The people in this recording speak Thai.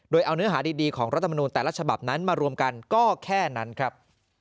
โดยเอาเนื้อหาดีของรัฐมนูลแต่ละฉบับนั้นมารวมกันก็แค่นั้นครับ